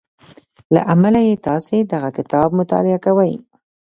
له امله یې تاسې دغه کتاب مطالعه کوئ